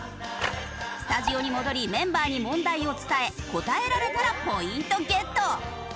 スタジオに戻りメンバーに問題を伝え答えられたらポイントゲット！